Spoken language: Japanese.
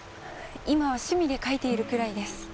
今は趣味で描いているくらいです。